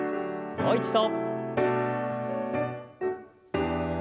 もう一度。